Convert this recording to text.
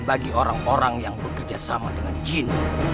bagi orang orang yang bekerja sama dengan jin